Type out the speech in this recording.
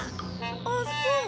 あっそう。